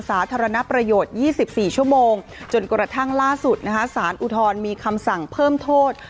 สาธารณประโยชน์๒๔ชั่วโมงจนกระทั่งล่าสุดนะคะสารอุทธรณ์มีคำสั่งเพิ่มโทษ